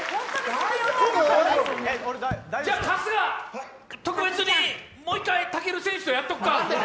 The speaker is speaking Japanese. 春日、特別にもう１回武尊選手とやっとくか？